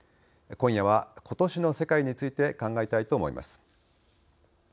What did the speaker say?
今夜は、ことしの世界について考えたいと思います。